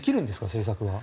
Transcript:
政策は。